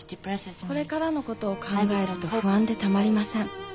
「これからのことを考えると不安でたまりません。